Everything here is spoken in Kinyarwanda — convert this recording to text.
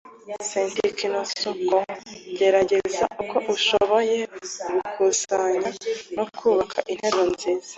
Sentenceictcom gerageza uko ushoboye gukusanya no kubaka interuro nziza